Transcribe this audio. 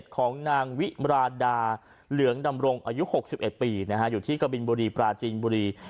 ของนางวิมราดาเหลืองดำรงอายุ๖๑ปีอยู่ที่กบินบุรีปราจีนบุรี